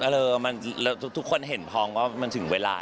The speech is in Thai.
เออทุกคนเห็นพร้อมว่ามันถึงเวลา